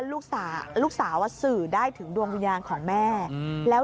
ลูกสาวสื่อได้ถึงดวงวิญญาณของแม่